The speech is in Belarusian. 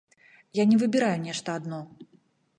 Я не выбіраю нешта адно.